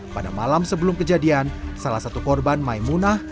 pada malam sebelum kejadian salah satu korban maimunah